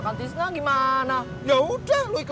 mata laki yang diputuskan